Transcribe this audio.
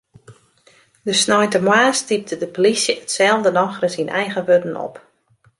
De sneintemoarns typte de plysje itselde nochris yn eigen wurden op.